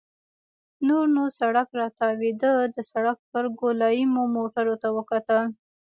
نور نو سړک راتاوېده، د سړک پر ګولایې مو موټرو ته وکتل.